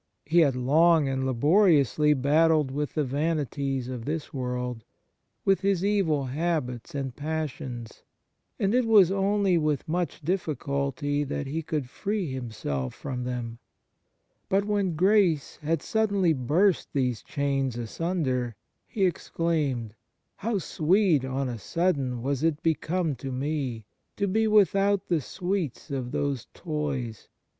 He had long and laboriously battled with the vanities of this world, with his evil habits and passions ; and it was only with much diffi culty that he could free himself from them. But when grace had suddenly burst these chains asunder, he exclaimed : 116 EFFECT AND FRUITS OF DIVINE GRACE " How sweet on a sudden was it b come to me to be without the sweets of those toys